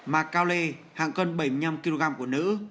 mạc cao lê hạng cân bảy mươi năm kg của nữ